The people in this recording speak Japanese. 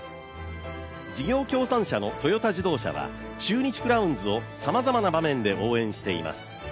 事業協賛社のトヨタ自動車は中日クラウンズをさまざまな場面で応援しています。